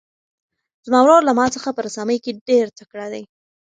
زما ورور له ما څخه په رسامۍ کې ډېر تکړه دی.